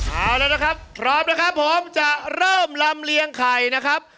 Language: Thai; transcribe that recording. เอาแล้วนะครับพร้อมนะครับผมจะเริ่มลำเลียงไข่นะครับ